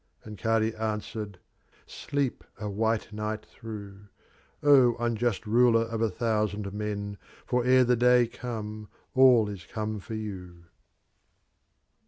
'* And Kadi answered, "Sleep a white night through, O Unjust RufeT Of a Thousand Men. For 'ere the Day come, all is come for You."